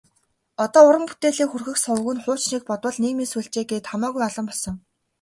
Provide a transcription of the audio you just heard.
Одоо уран бүтээлээ хүргэх суваг нь хуучныг бодвол нийгмийн сүлжээ гээд хамаагүй олон болсон.